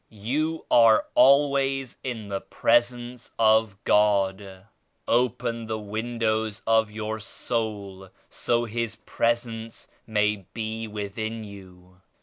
You are always in the Presence of God. Open the windows of your soul so His Presence may be within you."